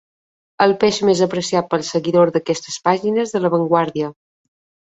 El peix més apreciat pels seguidors d'aquestes pàgines de La Vanguardia.